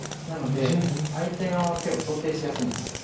なので相手の手を想定しやすいんです。